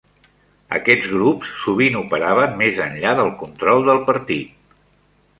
Aquests grups sovint operaven més enllà del control del partit.